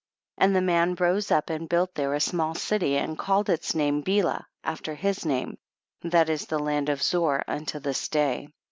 36. And the man rose up and built there a small city, and called its name Bela after his name ; that is the land of Zoar unto this day.